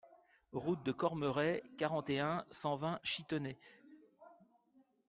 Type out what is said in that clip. Route de Cormeray, quarante et un, cent vingt Chitenay